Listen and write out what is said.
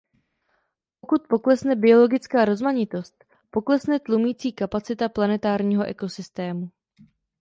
Pokud poklesne biologická rozmanitost, poklesne tlumící kapacita planetárního ekosystému.